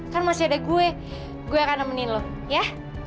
kan masih ada gue gue akan nemenin loh ya